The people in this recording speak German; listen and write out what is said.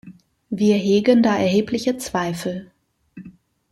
Wir hegen da erhebliche Zweifel.